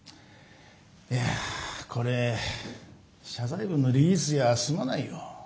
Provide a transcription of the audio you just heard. いやこれ謝罪文のリリースじゃ済まないよ。